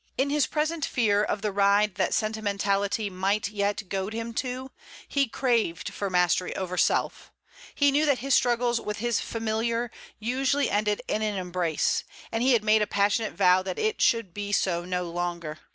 In his present fear of the ride that sentimentality might yet goad him to, he craved for mastery over self; he knew that his struggles with his Familiar usually ended in an embrace, and he had made a passionate vow that it should be so no longer.